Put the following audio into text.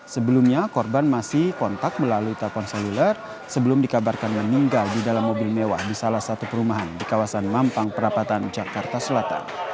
sebelumnya korban masih kontak melalui telepon seluler sebelum dikabarkan meninggal di dalam mobil mewah di salah satu perumahan di kawasan mampang perapatan jakarta selatan